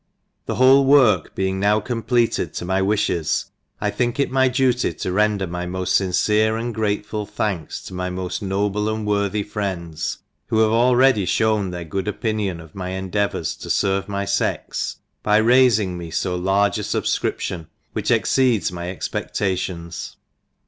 The whole work being now completed to my wifhes, I think it my duty to render my moil: fincere and grateful thanks to my moil noble and worthy friends, who. have already fhown their good opinion of my endeavours to ferve my fex, by raifing me fo large a fubfcrip tion, which far exceeds my expedlations.